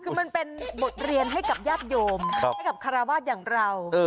คือมันเป็นบทเรียนให้กับญาติโยมให้กับคาราวาสอย่างเรา